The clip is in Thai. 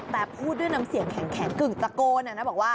แต่พูดด้วยน้ำเสียงแข็งกึ่งตะโกนบอกว่า